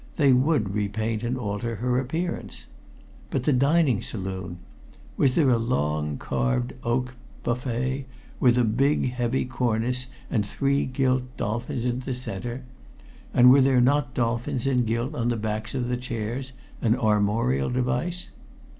"They would repaint and alter her appearance. But the dining saloon. Was there a long carved oak buffet with a big, heavy cornice with three gilt dolphins in the center and were there not dolphins in gilt on the backs of the chairs an armorial device?"